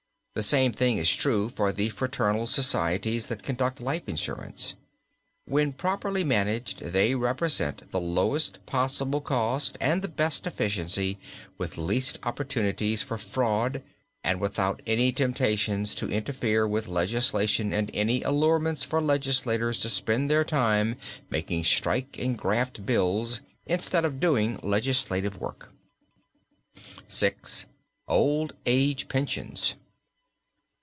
The same thing is true for the fraternal societies that conduct life insurance. When properly managed they represent the lowest possible cost and the best efficiency with least opportunities for fraud and without any temptations to interfere with legislation and any allurements for legislators to spend their time making strike and graft bills instead of doing legislative work. VI. OLD AGE PENSIONS.